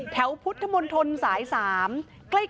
แถวพุทธมนตรศาสตร์๓